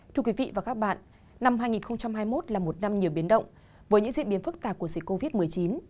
thưa quý vị và các bạn năm hai nghìn hai mươi một là một năm nhiều biến động với những diễn biến phức tạp của dịch covid một mươi chín